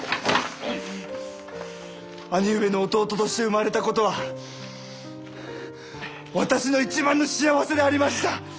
兄上の弟として生まれたことは私の一番の幸せでありました！